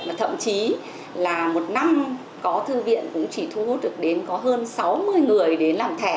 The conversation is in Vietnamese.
mà thậm chí là một năm có thư viện cũng chỉ thu hút được đến có hơn sáu mươi người đến làm thẻ